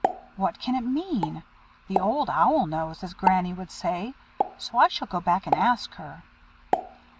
What can it mean? The Old Owl knows, as Granny would say; so I shall go back and ask her."